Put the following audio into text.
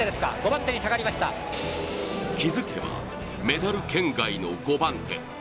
気づけばメダル圏外の５番手。